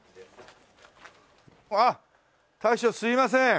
あっ大将すいません。